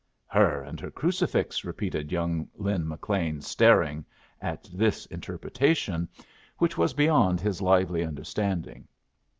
"Her and her crucifix!" repeated young Lin McLean, staring at this interpretation, which was beyond his lively understanding.